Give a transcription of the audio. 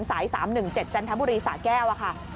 สาย๓๑๗จันทบุรีสะแก้วค่ะ